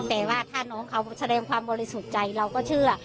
แต่ว่าถ้าน้องเขาแสดงความบริสุทธิ์ใจเราก็เชื่อ